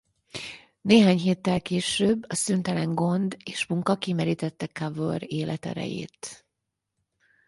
Néhány héttel később a szüntelen gond és munka kimerítette Cavour életerejét.